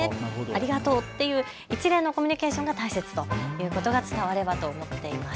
ありがとうっていう一連のコミュニケーションが大切ということが伝わればと思っています。